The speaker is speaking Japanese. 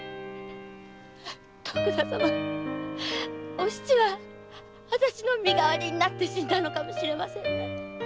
お七はわたしの身代わりになって死んだのかもしれませんね。